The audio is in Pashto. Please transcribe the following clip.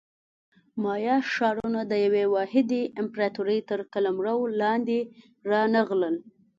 مایا ښارونه د یوې واحدې امپراتورۍ تر قلمرو لاندې رانغلل.